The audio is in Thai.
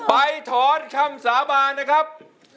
ไปถอนคำสาบานนะครับ